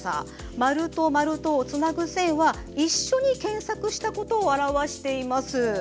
丸と丸とをつなぐ線は一緒に検索したことを表しています。